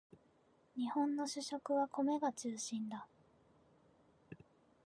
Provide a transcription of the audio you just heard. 日本の主食は米が中心だ